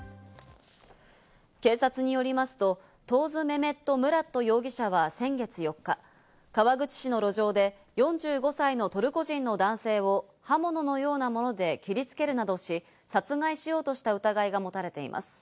警察によりますと、トーズ・メメット・ムラット容疑者は先月４日、川口市の路上で、４５歳のトルコ人の男性を刃物のようなもので切り付けるなどし、殺害しようとした疑いが持たれています。